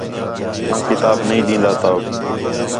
آں کتاب نہیں ݙین٘داں تؤک